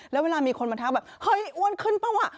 แล้วเวลามีคนมาทักแบบเฮ้ยอ้วนขึ้นเปล่าว่ะ